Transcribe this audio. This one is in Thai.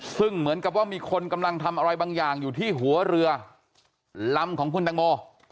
ซึ่งเหมือนกับว่ามีคนกำลังทำอะไรบางอย่างอยู่ที่หัวเรือลำของคุณตังโม